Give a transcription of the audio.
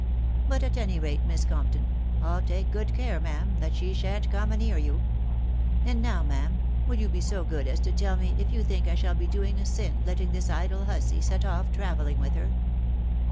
But at any rate, Miss Compton, I'll take good care, ma'am, that she shan't come a near you. And now, ma'am, will you be so good as to tell me if you think I shall be doing a sin letting this idle hussy set off travelling with her